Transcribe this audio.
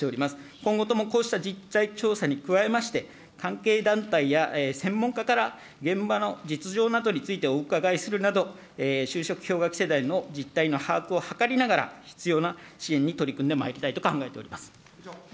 今後ともこうした実態調査に加えまして、関係団体や専門家から現場の実情などについてお伺いするなど、就職氷河期世代の実態の把握を図りながら、必要な支援に取り組んでまいりたいと考えております。